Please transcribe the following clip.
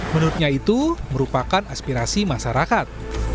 menurutnya itu merupakan aspirasi masyarakat